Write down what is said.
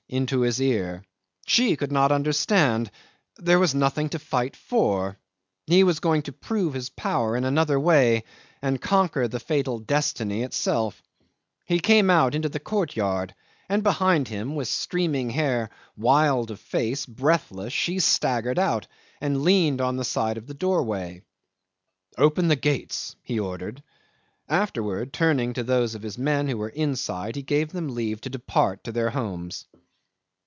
into his ear. She could not understand. There was nothing to fight for. He was going to prove his power in another way and conquer the fatal destiny itself. He came out into the courtyard, and behind him, with streaming hair, wild of face, breathless, she staggered out and leaned on the side of the doorway. "Open the gates," he ordered. Afterwards, turning to those of his men who were inside, he gave them leave to depart to their homes.